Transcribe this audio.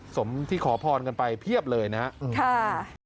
สมที่ขอพรไปเพียบเลยนะค่ะ